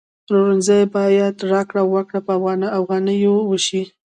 پلورنځي کی باید راکړه ورکړه په افغانیو وشي